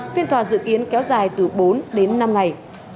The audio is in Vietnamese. phiên tòa dự kiến kéo dài từ bốn đến năm ngày